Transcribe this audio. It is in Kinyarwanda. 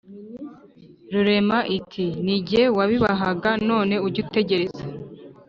rurema iti:" ni jye wabibahaga nanone ujye utegereza,